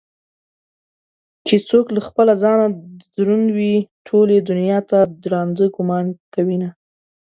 چې څوك له خپله ځانه دروند وي ټولې دنياته ددراندۀ ګومان كوينه